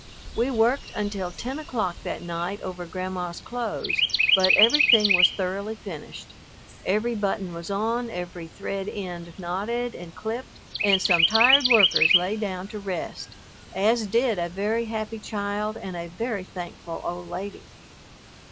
We worked until ten o'clock that night over Grandma's clothes, but everything was thoroughly finished. Every button was on, every thread end knotted and clipped, and some tired workers lay down to rest, as did a very happy child and a very thankful old lady.